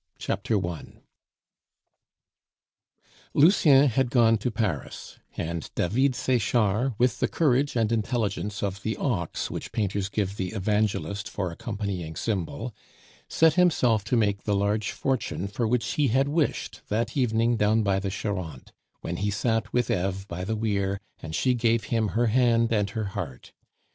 EVE AND DAVID Lucien had gone to Paris; and David Sechard, with the courage and intelligence of the ox which painters give the Evangelist for accompanying symbol, set himself to make the large fortune for which he had wished that evening down by the Charente, when he sat with Eve by the weir, and she gave him her hand and her heart.